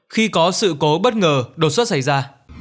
khi có sự cố bất ngờ đột xuất xảy ra